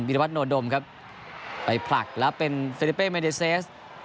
มิรพัฒนโดมครับไปพลักแล้วเป็นเฟริปเป้เมดิเซส